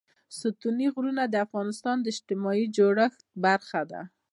ستوني غرونه د افغانستان د اجتماعي جوړښت برخه ده.